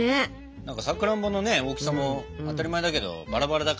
何かさくらんぼのね大きさも当たり前だけどバラバラだからね。